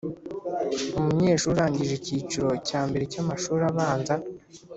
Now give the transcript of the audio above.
umunyeshuri urangije ikiciro cya mbere cy’amashuri abanza